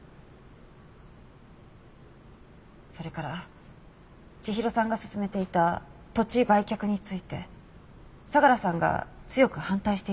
それから千尋さんが進めていた土地売却について相良さんが強く反対していた事も。